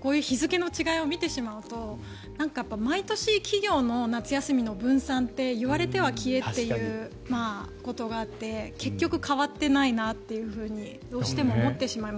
こういう日付の違いを見てしまうと毎年企業の夏休みの分散って言われては消えっていうことがあって結局変わっていないなとどうしても思ってしまう。